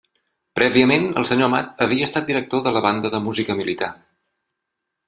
Prèviament, el senyor Amat havia estat director de la banda de música militar.